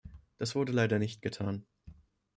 Das wurde leider nicht getan.